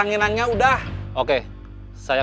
ini masih tiga dolar saja